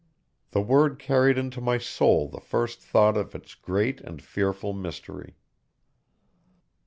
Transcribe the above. The word carried into my soul the first thought of its great and fearful mystery.